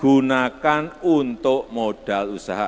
gunakan untuk modal usaha